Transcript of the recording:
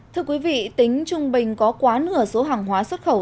thưa quý vị tính trung bình có quá nửa số hàng hóa xuất khẩu